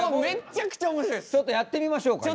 ちょっとやってみましょうか今。